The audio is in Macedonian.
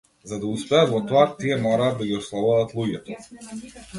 За да успеат во тоа тие мораат да ги ослободат луѓето.